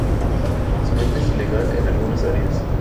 Su venta es ilegal en algunas áreas.